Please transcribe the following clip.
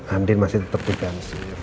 andin masih tetap dikansir